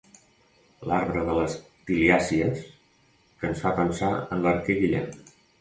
L'arbre de les tiliàcies que ens fa pensar en l'arquer Guillem.